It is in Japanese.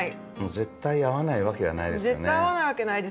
絶対合わないわけないですね。